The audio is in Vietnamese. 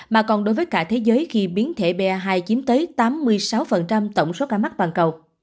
mà còn đối với cả thế giới khi biến thể ba hai chiếm tới tám mươi sáu tổng số ca mắc toàn cầu